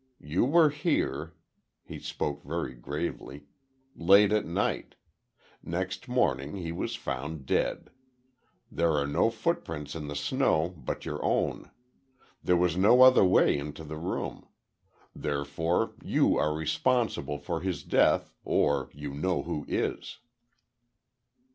You were here," he spoke very gravely, "late at night. Next morning he was found dead. There are no footprints in the snow but your own. There was no other way into the room. Therefore, you are responsible for his death or—you know who is."